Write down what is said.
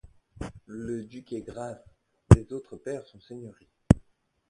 Le duc est grâce ; les autres pairs sont seigneurie.